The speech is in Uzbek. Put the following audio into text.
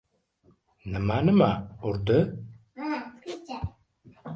— Nima-nima? Urdi?